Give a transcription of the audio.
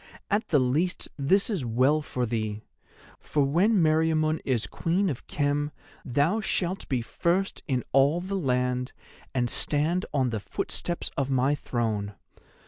At the least this is well for thee, for when Meriamun is Queen of Khem thou shalt be first in all the land, and stand on the footsteps of my throne.